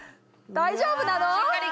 大丈夫なの？